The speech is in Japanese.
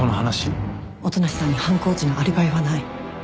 音無さんに犯行時のアリバイはない。